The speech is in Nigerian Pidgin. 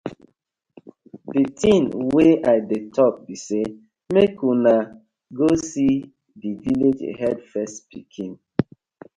Di tin wey I dey tok bi say mek unu go see di villag head first pikin.